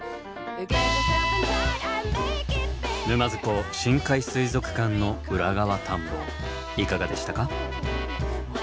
沼津港深海水族館の裏側探訪いかがでしたか？